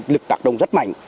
lực tạc động rất mạnh